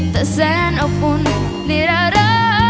แต่แสนอบอุ่นนิรา